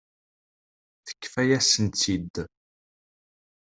Tefka-yasen-tt-id.